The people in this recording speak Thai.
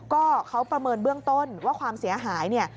ก็เขาประเมินเบื้องต้นว่าความเสียหายเนี่ย